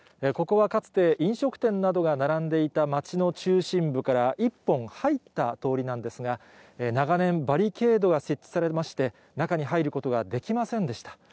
ここはかつて、飲食店などが並んでいた町の中心部から一本入った通りなんですが、長年、バリケードが設置されまして、中に入ることができませんでした。